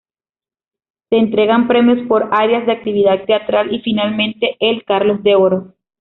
Se entregan premios por áreas de actividad teatral y, finalmente, el Carlos de Oro.